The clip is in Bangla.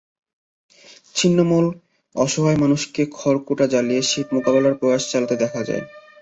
ছিন্নমূল অসহায় মানুষকে খড়কুটা জ্বালিয়ে শীত মোকাবিলার প্রয়াস চালাতে দেখা যায়।